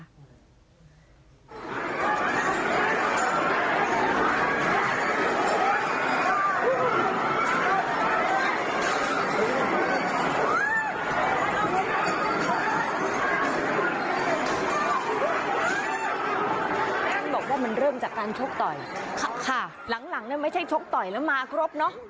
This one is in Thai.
ท่านบอกว่ามันเริ่มจากการชกต่อยค่ะหลังเนี่ยไม่ใช่ชกต่อยแล้วมาครบเนอะ